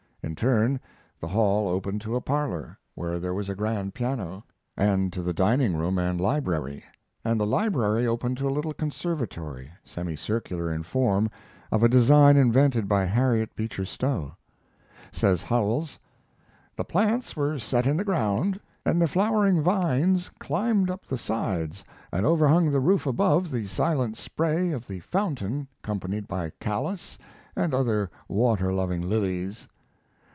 In turn, the hall opened to a parlor, where there was a grand piano, and to the dining room and library, and the library opened to a little conservatory, semicircular in form, of a design invented by Harriet Beecher Stowe. Says Howells: The plants were set in the ground, and the flowering vines climbed up the sides and overhung the roof above the silent spray of the fountain companied by Callas and other waterloving lilies.